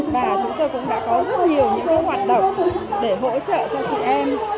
và chúng tôi cũng đã có rất nhiều những hoạt động để hỗ trợ cho chị em